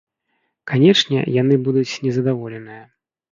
Канечне, яны будуць незадаволеныя.